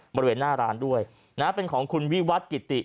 บริเวณหน้าร้านด้วยนะเป็นของคุณวิวัตกิติ